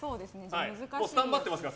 スタンバってますから。